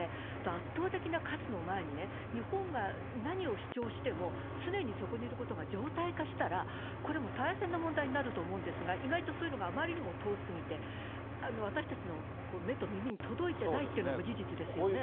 圧倒的な数の前に、日本が何を主張しても、常にそこにいることが常態化したら、これもう、大変な問題になると思うんですが、意外とそういうのがあまりにも遠すぎて、私たちのここ、目と耳に届いてないっていうのも事実ですよね。